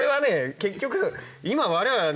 結局今我々はね